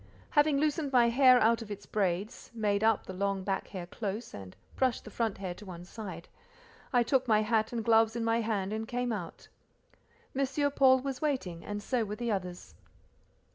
Having loosened my hair out of its braids, made up the long back hair close, and brushed the front hair to one side, I took my hat and gloves in my hand and came out. M. Paul was waiting, and so were the others.